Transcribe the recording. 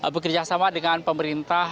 bekerjasama dengan pemerintah